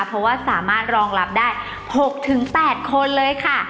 เพราะว่าสามารถรองรับได้๖๘คนเลยค่ะ